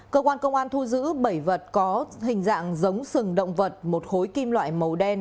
cơ quan công an thu giữ bảy vật có hình dạng giống sừng động vật một khối kim loại màu đen